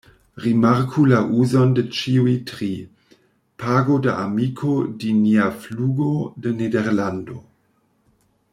Rimarku la uzon de ĉiuj tri: "pago da amiko di nia flugo de Nederlando".